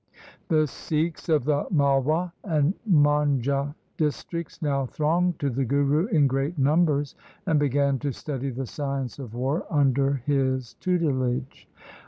The Sikhs of the Malwa and Manjha districts now thronged to the Guru in great numbers, and began to study the science of war under his tutelage.